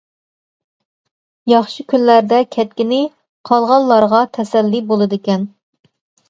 ياخشى كۈنلەردە كەتكىنى قالغانلارغا تەسەللى بولىدىكەن.